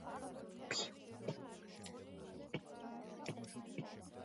საქართველოში ფართოდ გვხვდება კლასტოკარსტი.